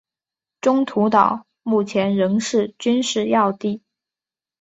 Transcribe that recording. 中途岛目前仍是军事要地。